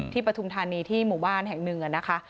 ปฐุมธานีที่หมู่บ้านแห่งหนึ่งนะคะ